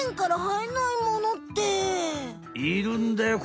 いるんだよ